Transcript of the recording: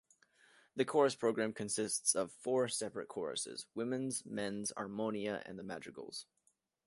The chorus program consists of four separate choruses: Women's, Men's, Armonia, and the Madrigals.